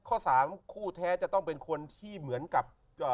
ข้อสามคู่แท้จะต้องเป็นคนที่เหมือนกับ